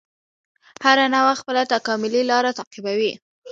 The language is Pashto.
هره نوعه خپله تکاملي لاره تعقیبوي.